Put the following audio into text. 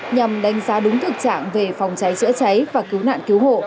nhằm đánh giá đúng thực trạng về phòng cháy chữa cháy và cứu nạn cứu hộ